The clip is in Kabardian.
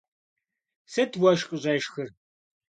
Сыт уэшх къыщӀешхыр?